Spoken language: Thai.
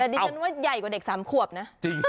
แต่ดิฉันว่าใหญ่กว่าเด็ก๓ขวบนะ